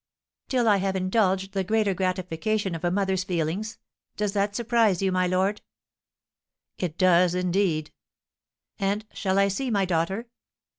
"Till I have indulged the greater gratification of a mother's feelings. Does that surprise you, my lord?" "It does indeed!" "And shall I see my daughter?"